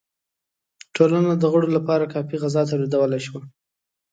ټولنه د غړو لپاره کافی غذا تولیدولای شوه.